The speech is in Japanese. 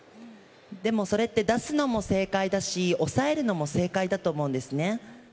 でもそれって、出すのも正解だし、抑えるのも正解だと思うんですね。